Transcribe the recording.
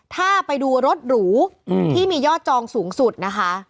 ถ้าไปดูรถหรูที่มียอดจองสูงสุดนะคะ